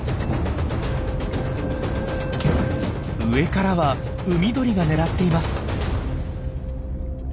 上からは海鳥が狙っています。